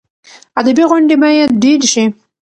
ادبي غونډې باید ډېرې شي.